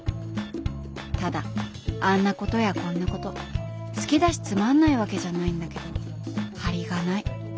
ただあんなことやこんなこと好きだしつまんないわけじゃないんだけど張りがない。